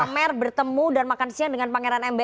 tapi pamer bertemu dan makan siang dengan pangeran mbs itu